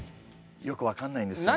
よく分かんないんですよね。